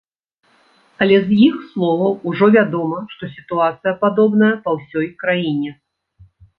Але з іх словаў ужо вядома, што сітуацыя падобная па ўсёй краіне.